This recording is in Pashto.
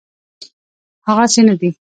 هغسي نه دی.